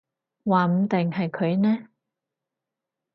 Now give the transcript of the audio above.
話唔定係佢呢